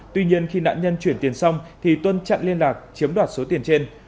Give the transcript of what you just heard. tuy nhiên khi nạn nhân chuyển tiền xong thì tuân chặn liên lạc chiếm đoạt số tiền trên